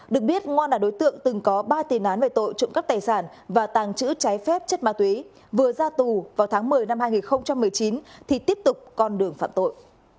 được biết ngoan là đối tượng từng có ba tiền án về tội trộm cắp tài sản và tàng trữ trái phép chất ma túy vừa ra tù vào tháng một mươi năm hai nghìn một mươi chín thì tiếp tục con đường phạm tội